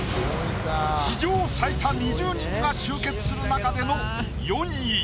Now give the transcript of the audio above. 史上最多２０人が集結する中での４位。